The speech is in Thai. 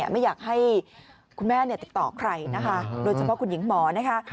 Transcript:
ไม่อยากให้คุณแม่ติดต่อใครนะคะโดยเฉพาะคุณหญิงหมอนะคะ